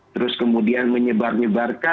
terus kemudian menyebar nyebarkan